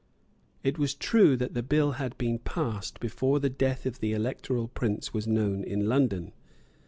It was true that the bill had been passed before the death of the Electoral Prince was known in London.